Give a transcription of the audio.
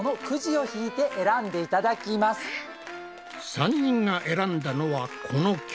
３人が選んだのはこの曲。